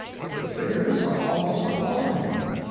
The figures are almost appalling.